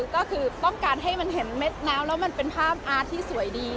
ก็คือต้องการให้มันเห็นเม็ดน้ำแล้วมันเป็นภาพอาร์ตที่สวยดี